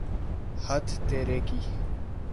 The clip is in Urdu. ہت تیرے کی!